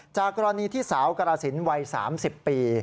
จากกรณีที่สาวกรสินวัย๓๐ปี